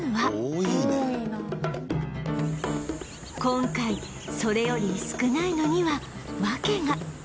今回それより少ないのには訳が